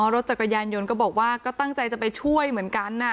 รถจักรยานยนต์ก็บอกว่าก็ตั้งใจจะไปช่วยเหมือนกัน